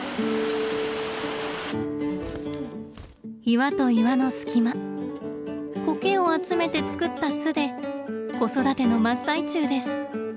岩と岩の隙間コケを集めて作った巣で子育ての真っ最中です。